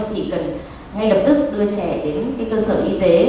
thì cần ngay lập tức đưa trẻ đến cơ sở y tế